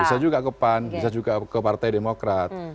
bisa juga ke pan bisa juga ke partai demokrat